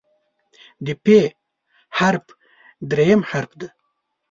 د "پ" حرف دریم حرف دی.